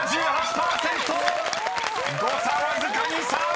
［誤差わずかに３！］